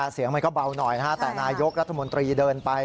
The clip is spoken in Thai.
เสียงมันก็เบาหน่อยแต่นายกรัฐมนตรีเดินไป